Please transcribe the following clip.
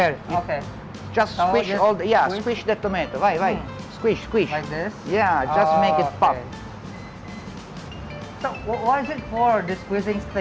ya hanya untuk membuatnya tergulung